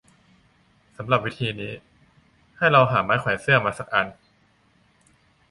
สำหรับวิธีนี้ ให้เราหาไม้แขวนเสื้อมาสักอัน